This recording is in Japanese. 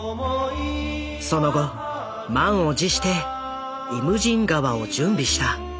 その後満を持して「イムジン河」を準備した。